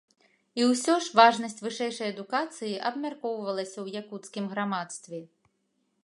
І ўсё ж, важнасць вышэйшай адукацыі абмяркоўвалася ў якуцкім грамадстве.